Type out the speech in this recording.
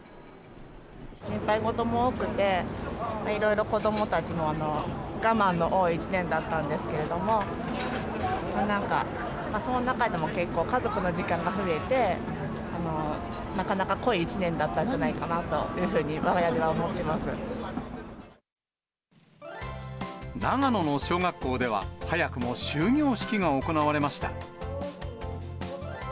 心配事も多くて、いろいろ子どもたちも我慢の多い一年だったんですけれども、なんか、その中でも結構、家族の時間が増えて、なかなか濃い一年だったんじゃないかなというふうに、わが家では長野の小学校では、早くも終業式が行われました。